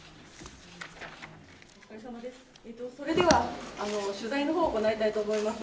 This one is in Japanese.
それでは取材のほう行いたいと思います。